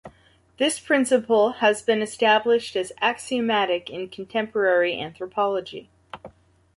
This principle has been established as axiomatic in contemporary anthropology.